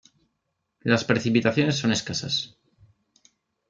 Las precipitaciones son escasas.